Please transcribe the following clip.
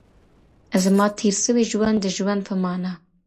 زما تېر سوي ژوند د ژوند پــه معـــــــــــنـا